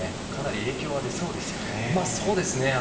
かなり影響は出そうですね。